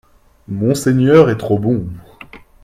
Monseigneur est trop bon